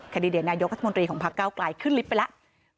คาดิเดชนายกราชมนตรีของภาคเก้ากลายขึ้นลิฟต์ไปแล้ว